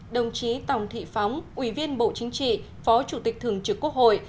đồng chí tòng thị phóng ủy viên bộ chính trị phó chủ tịch thường trực quốc hội